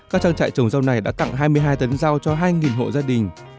các trang trại trồng rau này đã tặng hai mươi hai tấn rau cho hai hộ gia đình